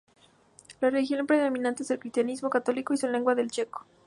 La religión predominante es el cristianismo católico y su lengua el checo.